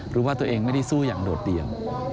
รู้ว่าตัวเองไม่ได้สู้อย่างโดดเดี่ยว